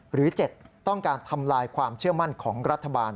หรือ๗ต้องการทำลายความเชื่อมั่นของรัฐบาล